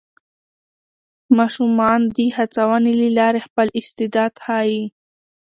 ماشومان د هڅونې له لارې خپل استعداد ښيي